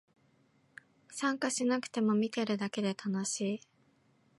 参加しなくても見てるだけで楽しい